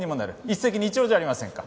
一石二鳥じゃありませんか。